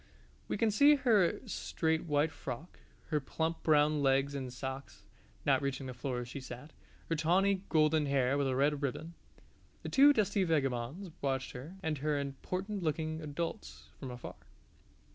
We can see her straight white frock, her plump brown legs in socks (not reaching the floor as she sat), her tawny golden hair with a red ribbon. The two dusty vagabonds watched her, and her important looking adults, from afar.